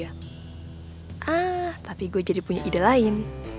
ah tapi gue jadi punya ide lain